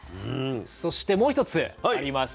そしてもう１つあります。